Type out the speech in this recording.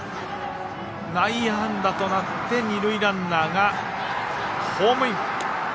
内野安打となって二塁ランナーがホームイン。